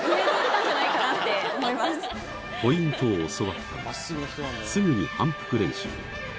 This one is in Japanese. ポイントを教わったらすぐに反復練習